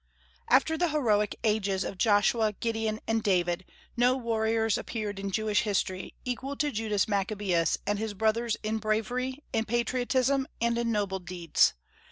After the heroic ages of Joshua, Gideon, and David, no warriors appeared in Jewish history equal to Judas Maccabaeus and his brothers in bravery, in patriotism, and in noble deeds.